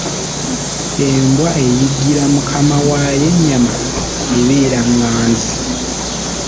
Embwa eyiggira Mukama waayo ennyama ebeera ղղanzi.